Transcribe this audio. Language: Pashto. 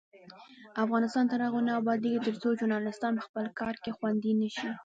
افغانستان تر هغو نه ابادیږي، ترڅو ژورنالیستان په خپل کار کې خوندي نشي.